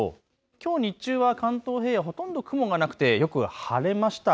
きょう日中は関東平野ほとんど雲がなくてよく晴れました。